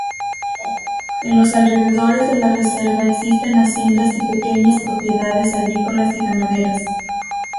En los alrededores de la Reserva existen haciendas y pequeñas propiedades agrícolas y ganaderas.